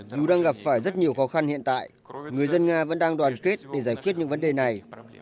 dù đang gặp phải rất nhiều khó khăn hiện tại người dân nga vẫn đang đoàn kết để giải quyết những vấn đề này